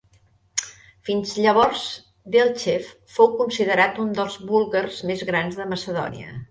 Fins llavors, Delchev fou considerat un dels búlgars més grans de Macedònia.